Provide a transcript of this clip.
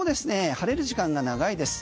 晴れる時間が長いです。